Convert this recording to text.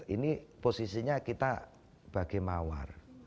ini posisinya kita bagai mawar